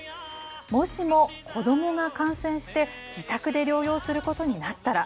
もしも子どもが感染して、自宅で療養することになったら。